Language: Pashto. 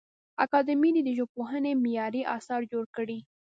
اکاډمي دي د ژبپوهنې معیاري اثار جوړ کړي.